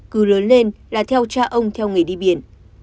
cứ lớn lên là theo cha ông theo nghề đi biển